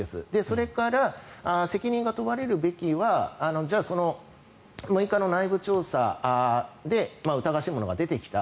それから責任が問われるべきは６日の内部調査で疑わしいものが出てきた。